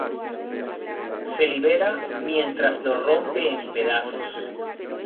Se libera, mientras lo rompe en pedazos.